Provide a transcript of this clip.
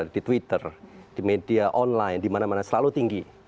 di twitter di media online di mana mana selalu tinggi